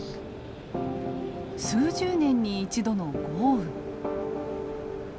数十年に一度の豪雨。